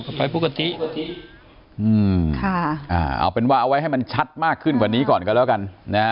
ก็ไปปกติเอาเป็นว่าเอาไว้ให้มันชัดมากขึ้นก่อนก็แล้วกัน